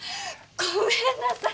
ごめんなさい。